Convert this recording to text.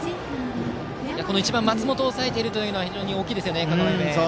この１番の松本を抑えているのは非常に大きいですね。